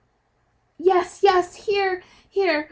"Yes, yes, here, here!